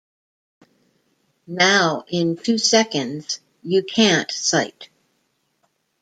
Now, in two seconds, you can't sight.